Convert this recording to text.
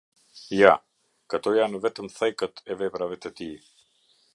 Ja, këto janë vetëm thekët e veprave të tij.